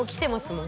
もん